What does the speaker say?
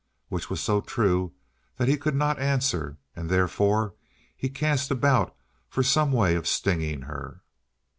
Which was so true that he could not answer, and therefore he cast about for some way of stinging her.